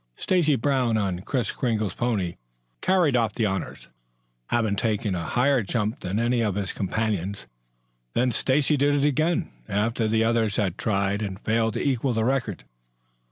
Stacy Brown on Kris Kringle's pony, carried off the honors, having taken a higher jump than did any of his companions. Then Stacy did it again, after the others had tried and failed to equal the record.